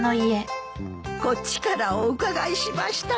こっちからお伺いしましたのに。